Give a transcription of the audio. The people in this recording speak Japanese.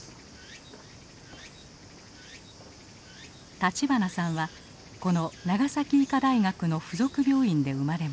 立花さんはこの長崎医科大学の附属病院で生まれました。